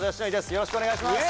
よろしくお願いします